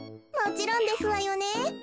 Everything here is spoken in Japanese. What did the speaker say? もちろんですわよね。